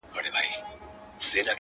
چي اسمان ورته نجات نه دی لیکلی،